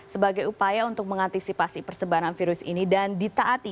sebagai upaya untuk mengantisipasi persebaran virus ini dan ditaati